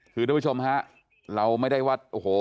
คือทุกผู้ชมฮะเราไม่ได้ว่าโอ้โห